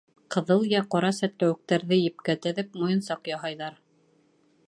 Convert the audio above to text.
Ҡыҙыл йә ҡара сәтләүектәрҙе епкә теҙеп, муйынсаҡ яһайҙар.